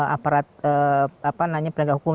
aparat penegak hukum